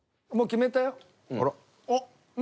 もう決めたよ。